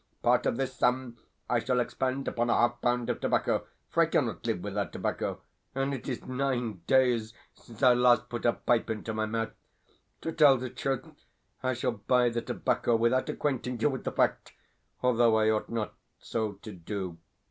Part of this sum I shall expend upon a half pound of tobacco for I cannot live without tobacco, and it is nine days since I last put a pipe into my mouth. To tell the truth, I shall buy the tobacco without acquainting you with the fact, although I ought not so to do.